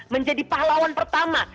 menjadi pahlawan pertama